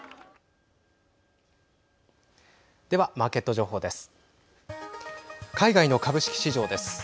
では、マーケット情報です。